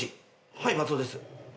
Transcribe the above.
はい松尾です。